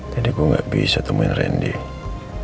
jadi gue gak bisa temuin rendy